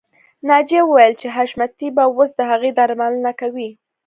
ناجیه وویل چې حشمتي به اوس د هغې درملنه کوي